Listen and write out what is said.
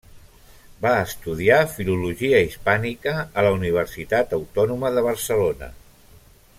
Va estudiar Filologia Hispànica a la Universitat Autònoma de Barcelona.